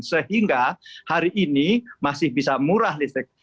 sehingga hari ini masih bisa murah listrik